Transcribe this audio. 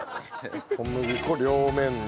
小麦粉両面に。